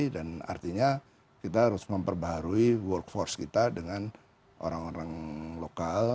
dan artinya kita harus memperbaharui work force kita dengan orang orang lokal